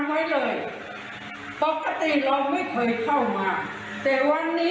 ไม่ใช่พ่อของฉันคุณศักดิ์